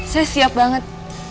saya siap banget